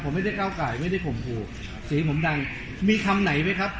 ผมไม่ได้ก้าวไก่ไม่ได้ข่มขู่เสียงผมดังมีคำไหนไหมครับ